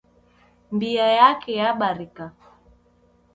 Mbiya yake yabarika.